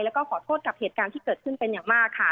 แล้วก็ขอโทษกับเหตุการณ์ที่เกิดขึ้นเป็นอย่างมากค่ะ